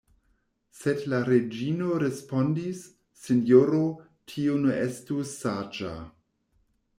Sed la reĝino respondis: Sinjoro, tio ne estus saĝa.